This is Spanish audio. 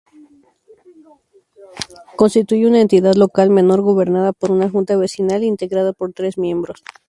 Constituye una Entidad Local Menor gobernada por una Junta Vecinal, integrada por tres miembros.